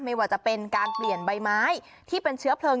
ไม่ว่าจะเป็นการเปลี่ยนใบไม้ที่เป็นเชื้อเพลิง